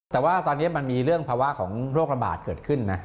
แต่ว่าตอนนี้มันมีเรื่องภาวะของโรคระบาดเกิดขึ้นนะ